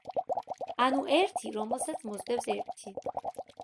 ანუ, ერთი რომელსაც მოსდევს ერთი.